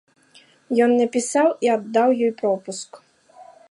Ён напісаў і аддаў ёй пропуск.